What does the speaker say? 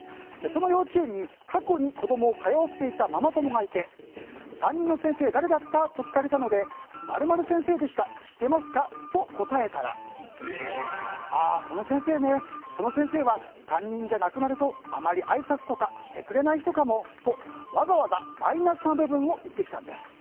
その幼稚園に過去に子供を通わせていたママ友がいて、担任の先生誰だった？と聞かれたので○○先生でした知ってますか？と答えたらあその先生ねその先生は担任じゃなくなるとあまりあいさつとかしてくれない人かもとかわざわざ、マイナスな部分を言ってきたんです。